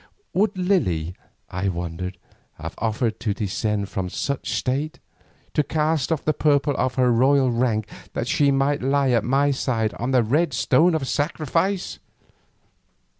Would Lily, I wondered, have offered to descend from such state, to cast off the purple of her royal rank that she might lie at my side on the red stone of sacrifice?